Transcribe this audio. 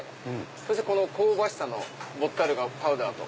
そして香ばしさのボッタルガパウダーと。